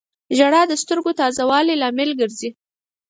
• ژړا د سترګو تازه والي لامل ګرځي.